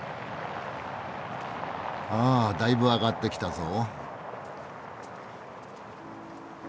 あだいぶ上がってきたぞ。